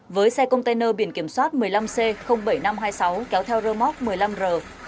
với xe container biển kiểm soát một mươi năm c bảy nghìn năm trăm hai mươi sáu kéo theo rơ móc một mươi năm r tám trăm chín mươi sáu